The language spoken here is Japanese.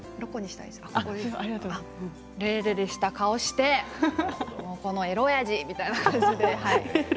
でれでれした顔してこのエロおやじ、みたいな感じで。